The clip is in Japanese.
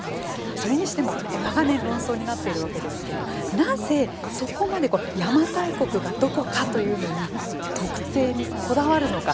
それにしても、長年論争になっているわけですけれどなぜ、そこまで邪馬台国がどこかというのに特定に、こだわるのか。